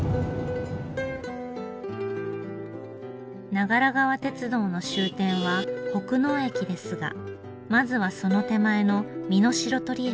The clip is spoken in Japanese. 長良川鉄道の終点は北濃駅ですがまずはその手前の美濃白鳥駅へ。